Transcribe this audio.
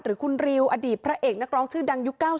หรือคุณริวอดีตพระเอกนักร้องชื่อดังยุค๙๐